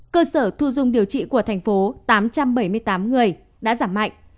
cơ sở thu dung điều trị của thành phố tám trăm bảy mươi tám người đã giảm mạnh